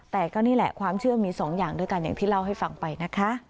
แต่ก็นี่แหละความเชื่อมีสองอย่างด้วยกันอย่างที่เล่าให้ฟังไปนะคะ